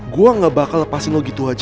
gue gak bakal lepasin lo gitu aja